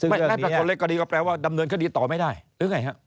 ไม่ปรากฏเลขดีก็แปลว่าดำเนินคดีต่อไม่ได้หรือไงครับ